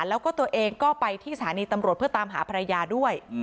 แล้วก็ตัวเองก็ไปที่สถานีตำรวจเพื่อตามหาภรรยาด้วย